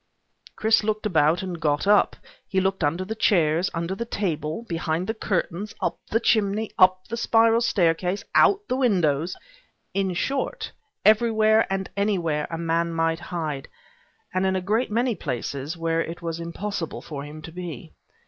Chris looked about and got up. He looked under the chairs, under the table, behind the curtains, up the chimney, up the spiral staircase, out the windows in short, everywhere and anywhere a man might hide, and in a great many places where it was impossible for him to be.